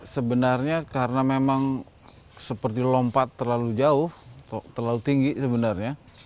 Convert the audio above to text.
sebenarnya karena memang seperti lompat terlalu jauh terlalu tinggi sebenarnya